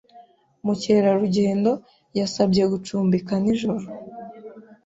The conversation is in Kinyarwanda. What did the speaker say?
Mukerarugendo yasabye gucumbika nijoro.